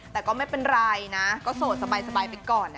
แต่ก็ไม่เป็นไรนะก็โสดสบายไปก่อน